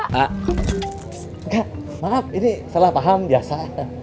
enggak maaf ini salah paham biasa